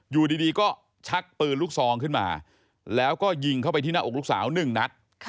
อยู่ดีก็ชักปืนลูกซองขึ้นมาแล้วก็ยิงเข้าไปที่หน้าอกลูกสาว๑นัด